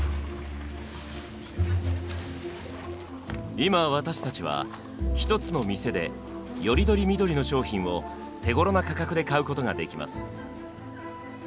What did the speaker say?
今私たちは１つの店でよりどりみどりの商品を手ごろな価格で買うことができます。